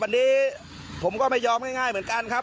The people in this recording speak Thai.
วันนี้ผมก็ไม่ยอมง่ายเหมือนกันครับ